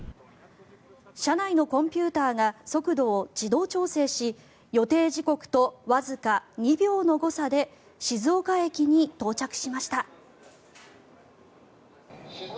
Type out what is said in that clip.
車内のコンピューターが速度を自動調整し予定時刻とわずか２秒の誤差で静岡駅に到着しました。